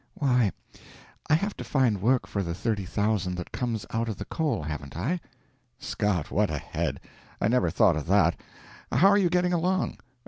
"Why, I have to find work for the thirty thousand that comes out of the coal, haven't I?" "Scott, what a head! I never thought of that. How are you getting along?